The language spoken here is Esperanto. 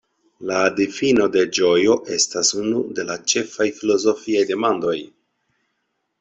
La difino de ĝojo estas unu de la ĉefaj filozofiaj demandoj.